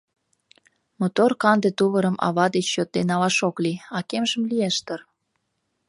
Мотор канде тувырым ава деч йодде налаш ок лий, а кемжым лиеш дыр.